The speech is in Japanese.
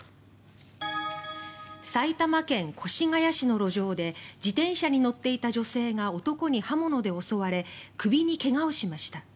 埼玉県越谷市の路上で自転車に乗っていた女性が男に刃物で襲われ首に怪我をしました。